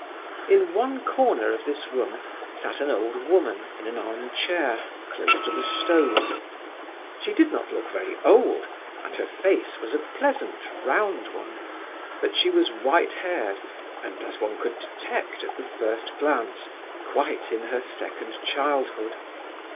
In one corner of this room sat an old woman in an arm chair, close to the stove. She did not look very old, and her face was a pleasant, round one; but she was white haired and, as one could detect at the first glance, quite in her second childhood.